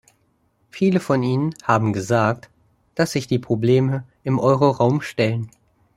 Viele von Ihnen haben gesagt, dass sich die Probleme im Euroraum stellen.